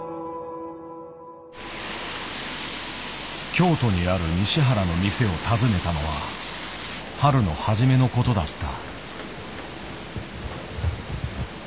京都にある西原の店を訪ねたのは春の初めのことだった。